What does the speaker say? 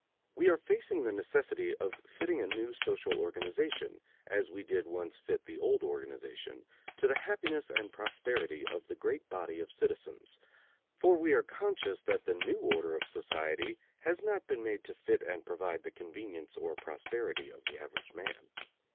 We are facing the necessity of fitting a new social organization, as we did once fit the old organization, to the happiness and prosperity of the great body of citizens; for we are conscious that the new order of society has not been made to fit and provide the convenience or prosperity of the average man.